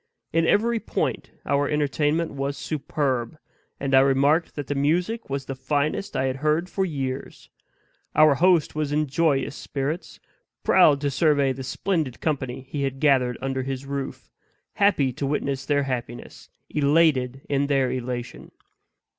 In every point our entertainment was superb; and I remarked that the music was the finest I had heard for years. Our host was in joyous spirits; proud to survey the splendid company he had gathered under his roof; happy to witness their happiness; elated in their elation.